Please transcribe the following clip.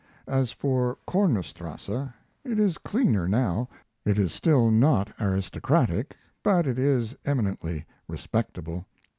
As for Komerstrasse, it is cleaner now. It is still not aristocratic, but it is eminently respectable.